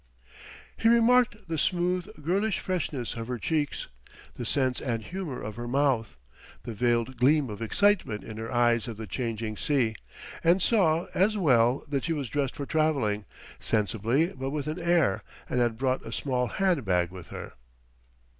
He remarked the smooth, girlish freshness of her cheeks, the sense and humor of her mouth, the veiled gleam of excitement in her eyes of the changing sea; and saw, as well, that she was dressed for traveling, sensibly but with an air, and had brought a small hand bag with her.